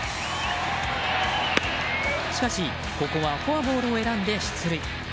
しかし、ここはフォアボールを選んで出塁。